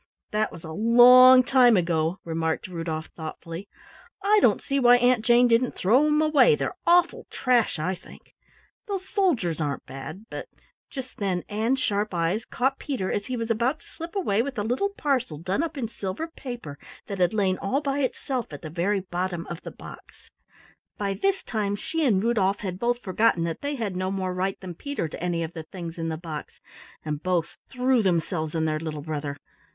"That was a long time ago," remarked Rudolf thoughtfully. "I don't see why Aunt Jane didn't throw 'em away, they're awful trash, I think. Those soldiers aren't bad, but " Just then Ann's sharp eyes caught Peter as he was about to slip away with a little parcel done up in silver paper that had lain all by itself at the very bottom of the box. By this time she and Rudolf had both forgotten that they had no more right than Peter to any of the things in the box, and both threw themselves on their little brother.